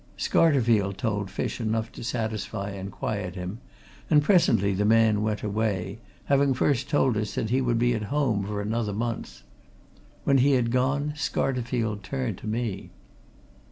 Scarterfield told Fish enough to satisfy and quieten him; and presently the man went away, having first told us that he would be at home for another month. When he had gone Scarterfield turned to me.